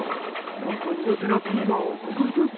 なんと苦手なピーマンを克服！